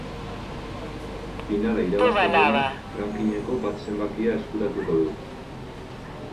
Finala irabazten duenak rankingeko bat zenbakia eskuratuko du.